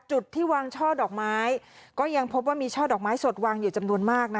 จุดที่วางช่อดอกไม้ก็ยังพบว่ามีช่อดอกไม้สดวางอยู่จำนวนมาก